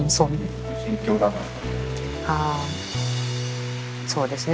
ああそうですね